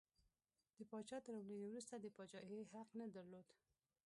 د پاچا تر مړینې وروسته د پاچاهۍ حق نه درلود.